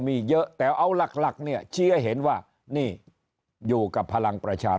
มีเยอะแต่เอาหลักเนี่ยชี้ให้เห็นว่านี่อยู่กับพลังประชา